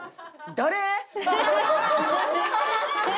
誰？